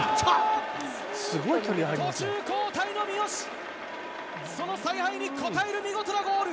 途中交代の三好、その采配にこたえる見事なゴール！